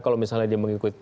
kalau misalnya dia mengikuti